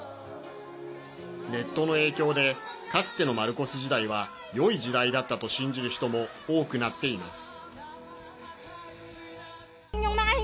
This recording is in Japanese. ネットの影響でかつてのマルコス時代はよい時代だったと信じる人も多くなっています。